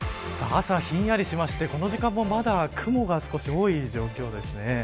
朝ひんやりしましてこの時間も、まだ雲が少し多い状況です。